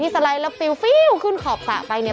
สไลด์แล้วฟิวขึ้นขอบสระไปเนี่ย